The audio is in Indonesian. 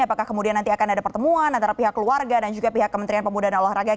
apakah kemudian nanti akan ada pertemuan antara pihak keluarga dan juga pihak kementerian pemuda dan olahraga